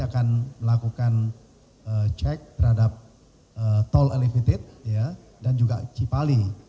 akan melakukan cek terhadap tol elevated dan juga cipali